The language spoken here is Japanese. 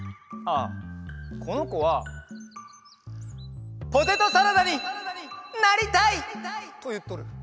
ああこのこは「ポテトサラダになりたい！」といっとる。